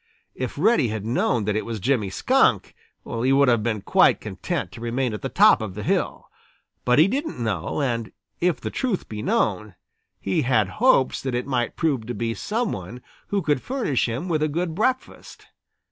If Reddy had known that it was Jimmy Skunk, he would have been quite content to remain at the top of the hill. But he didn't know, and if the truth be known, he had hopes that it might prove to be some one who would furnish him with a good breakfast.